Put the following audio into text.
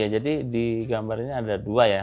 jadi di gambarnya ada dua ya